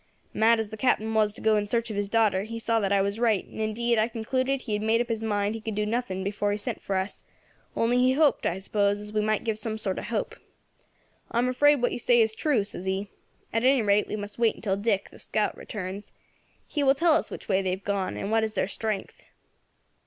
"Mad as the Captain was to go in search of his daughter, he saw that I was right, and indeed I concluded he had made up his mind he could do nothing before he sent for us, only he hoped, I suppose, as we might give some sort of hope. 'I am afraid what you say is true,' says he. 'At any rate we must wait till Dick, the scout, returns; he will tell us which way they have gone, and what is their strength.'